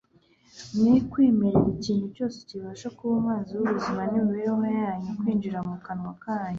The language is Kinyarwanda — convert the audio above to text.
mwe kwemerera ikintu cyose kibasha kuba umwanzi w'ubuzima n'imibereho yanyu kwinjira mu kanwa kanyu